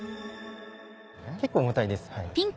結構重たいです。